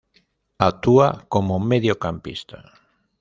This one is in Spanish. Actúa como mediocampista.